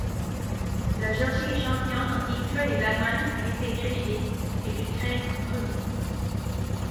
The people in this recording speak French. La Géorgie est championne en titre et l'Allemagne a été reléguée et l'Ukraine promue.